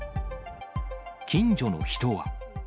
近所の人は。